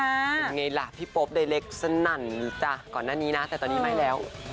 เป็นไงล่ะพี่โป๊บใดเล็กสนั่นจ้ะก่อนหน้านี้นะแต่ตอนนี้ไม่แล้ว